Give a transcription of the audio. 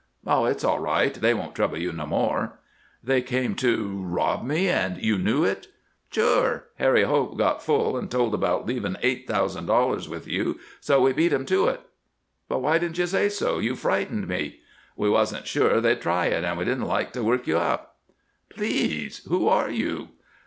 "Oh, it's all right. They won't trouble you no more." "They came to rob me, and you knew it " "Sure! Harry Hope got full and told about leaving eight thousand dollars with you; so we beat 'em to it." "But why didn't you say so? You frightened me." "We wasn't sure they'd try it, and we didn't like to work you up." "Please who are you?"